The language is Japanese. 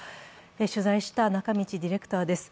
取材した中道ディレクターです。